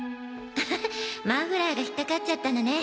ふふふマフラーが引っ掛かっちゃったのね。